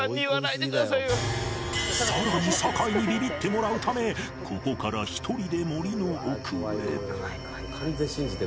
さらに酒井にビビってもらうためここから１人で森の奥へ